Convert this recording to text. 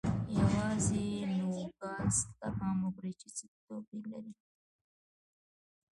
یوازې نوګالس ته پام وکړئ چې څه توپیر لري.